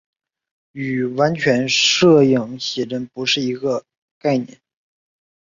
与完全摄影写真的不是一个概念。